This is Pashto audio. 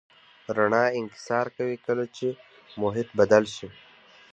رڼا انکسار کوي کله چې محیط بدل شي.